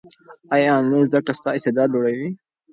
ایا انلاین زده کړه ستا استعداد لوړوي؟